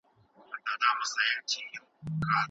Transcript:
انګریزان له هیواد نه ووتل.